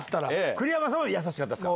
栗山さんは優しかったですか？